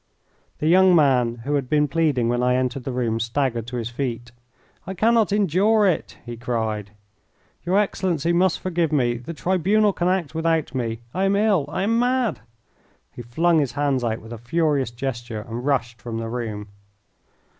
The young man who had been pleading when I entered the room staggered to his feet. "I cannot endure it," he cried. "Your Excellency must forgive me. The tribunal can act without me. I am ill. I am mad." He flung his hands out with a furious gesture and rushed from the room.